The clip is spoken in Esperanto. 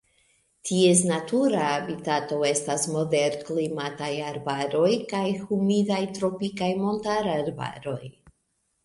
Ties natura habitato estas moderklimataj arbaroj kaj humidaj tropikaj montararbaroj.